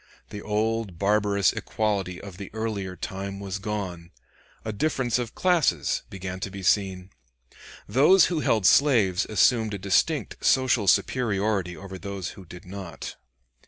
The old barbarous equality of the earlier time was gone; a difference of classes began to be seen. Those who held slaves assumed a distinct social superiority over those who did not.